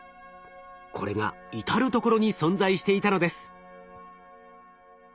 これが至る所に存在していたのです。